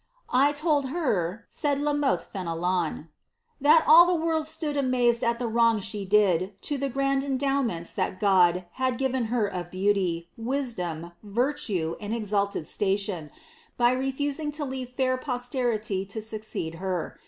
"^ I told her," said La Mothe Fenelon,^ ^ that all the world stood iMBigd at the wrong she did to the grand endowments that God had Co her of beauty, wisdom, virtue, and exalted station, by refusing to ' e frir posterity to succeed her.